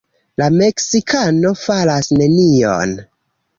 La meksikano faras nenion.